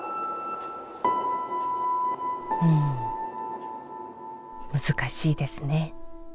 うん難しいですね。